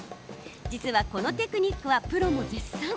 実はこのテクニックはプロも絶賛。